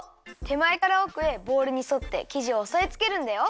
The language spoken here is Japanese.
てまえからおくへボウルにそってきじをおさえつけるんだよ。